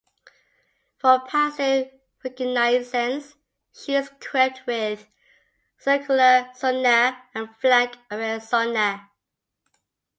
For passive reconnaissance, she is equipped with circular sonar and flank array sonar.